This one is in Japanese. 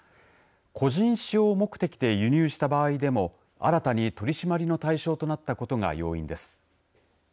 個人使用目的で輸入した場合でも新たに取り締まりの対象となったことが要因です。